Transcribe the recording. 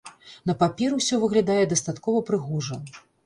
На паперы ўсё выглядае дастаткова прыгожа.